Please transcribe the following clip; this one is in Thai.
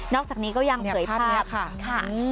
นอกจากนี้ก็ยังเผยแพร่คลิป